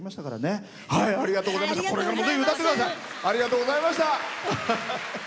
ありがとうございます。